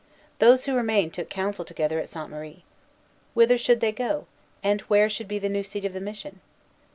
Those who remained took counsel together at Sainte Marie. Whither should they go, and where should be the new seat of the mission?